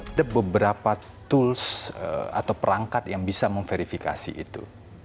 ada beberapa perangkat yang bisa memerfifikasi itu